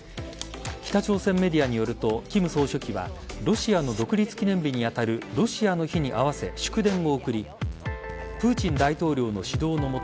北朝鮮メディアによると金総書記はロシアの独立記念日に当たるロシアの日に合わせ祝電を送りプーチン大統領の指導の下